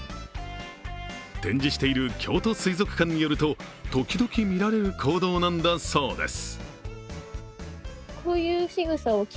展示している京都水族館によると時々見られる行動なんだそうです。